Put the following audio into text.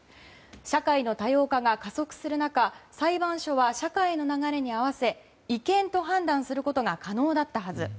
社会の多様化が加速する中裁判所は社会の流れに合わせ違憲と判断することが可能だったはず。